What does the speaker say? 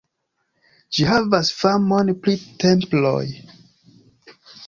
Ĝi havas famon pri temploj.